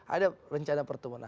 ada rencana pertemuan